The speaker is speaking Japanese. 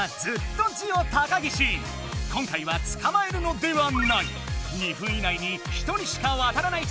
今回はつかまえるのではない。